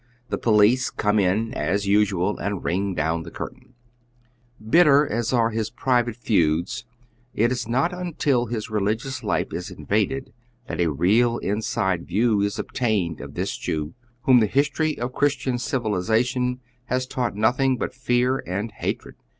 The police come in, as usual, and ring down the curtain. Bitter as are his private feuds, it is not until his reli oy Google c l i. =,Googlc 113 HOW TUE OTHER HALF IIVES. gious life is invaded that a real inside view is obtained of this Jew, wliom the history of Cliriatian civilization haa taught notiiing but fear and hatred.